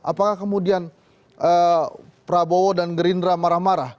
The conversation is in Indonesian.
apakah kemudian prabowo dan gerindra marah marah